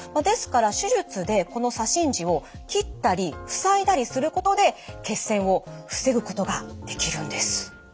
ですから手術でこの左心耳を切ったり塞いだりすることで血栓を防ぐことができるんです。